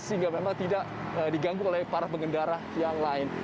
sehingga memang tidak diganggu oleh para pengendara yang lain